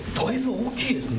大きいですね。